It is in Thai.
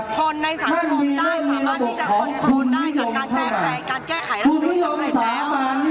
ผลในสังคมได้สามารถที่จะควรควรควรได้จากการแก้ไขรักษณ์มือสำเร็จแล้ว